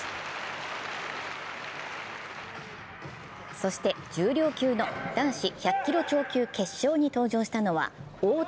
そして重量級の男子１００キロ超級に登場したのは太田彪